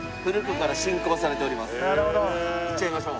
行っちゃいましょう。